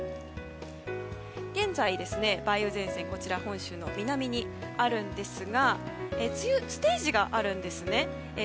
現在、梅雨前線は本州の南にありますが梅雨にはステージがあるんです。